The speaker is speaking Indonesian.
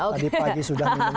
tadi pagi sudah minum